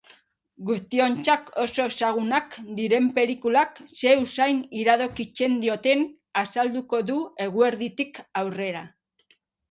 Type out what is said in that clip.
Guztiontzat oso ezagunak diren pelikulak ze usain iradokitzen dioten azalduko du eguerditik aurrera.